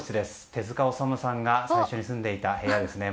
手塚治虫さんが最初に住んでいた部屋ですね。